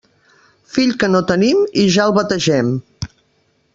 Fill que no tenim i ja el bategem.